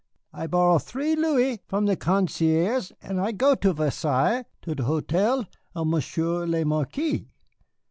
I borrow three louis from the concierge, and I go to Versailles to the hotel of Monsieur le Marquis.